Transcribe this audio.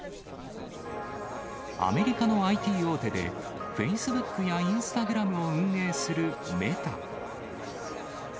アメリカのＩＴ大手で、フェイスブックやインスタグラムを運営するメタ。